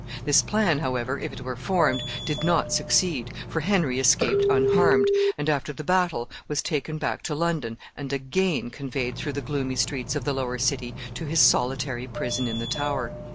This plan, however, if it were formed, did not succeed, for Henry escaped unharmed, and, after the battle, was taken back to London, and again conveyed through the gloomy streets of the lower city to his solitary prison in the Tower.